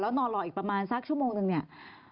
นอนรออีกประมาณสักชั่วโมงนึงเนี่ย